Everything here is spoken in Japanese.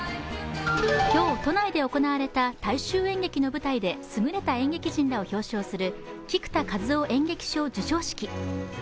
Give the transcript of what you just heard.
今日、都内で行われた大衆劇場の舞台で優れた演劇人らを表彰する菊田一夫演劇賞授賞式。